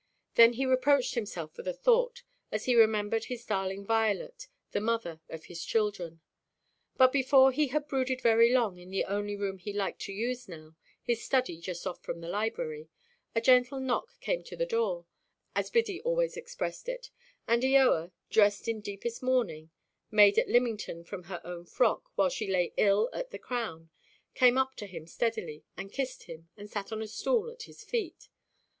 Then he reproached himself for the thought, as he remembered his darling Violet, the mother of his children. But, before he had brooded very long in the only room he liked to use now, his study just off from the library, a gentle knock came to the door—as Biddy always expressed it—and Eoa, dressed in deepest mourning (made at Lymington, from her own frock, while she lay ill at the Crown), came up to him steadily, and kissed him, and sat on a stool at his feet.